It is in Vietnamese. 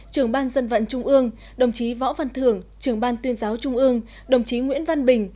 trưởng ban dân vận trung ương đồng chí võ văn thưởng trưởng ban tuyên giáo trung ương đồng chí nguyễn văn bình